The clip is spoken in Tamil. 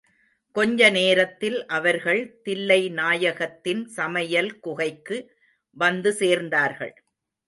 கொஞ்சநேரத்தில் அவர்கள் தில்லைநாயகத்தின் சமையல் குகைக்கு வந்து சேர்ந்தார்கள்.